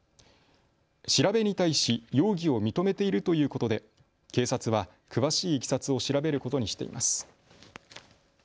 調べに対し容疑を認めているということで警察は詳しいいきさつを調べることにしています。